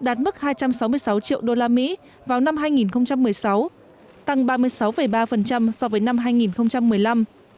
đạt mức hai trăm sáu mươi sáu triệu usd vào năm hai nghìn một mươi sáu tăng ba mươi sáu ba so với năm hai nghìn một mươi năm